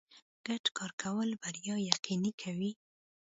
ګډ کار کول بریا یقیني کوي.